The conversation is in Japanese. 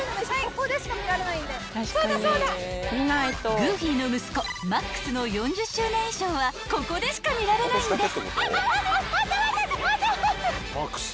［グーフィーの息子マックスの４０周年衣装はここでしか見られないんです］